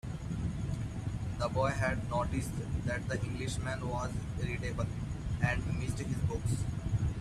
The boy had noticed that the Englishman was irritable, and missed his books.